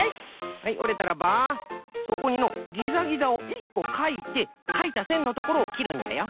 はいおれたらばそこにのギザギザを１こかいてかいたせんのところをきるんじゃよ。